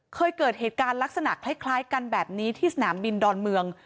เคยเกิดเหตุการณ์ลักษณะคล้ายกันแบบนี้ที่สนามบินดอนเมือง